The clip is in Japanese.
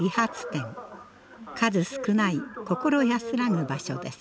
数少ない心安らぐ場所です。